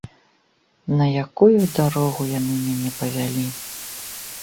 На якую дарогу яны мяне павялі!